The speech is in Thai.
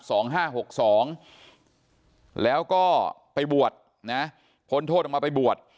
สองห้าหกสองแล้วก็ไปบวชนะพ้นโทษออกมาไปบวช